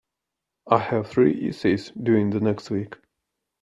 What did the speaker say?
I have three essays due in the next week.